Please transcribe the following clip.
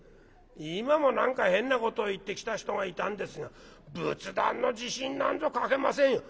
今も何か変なこと言ってきた人がいたんですが仏壇の地震なんぞ描けませんよ」。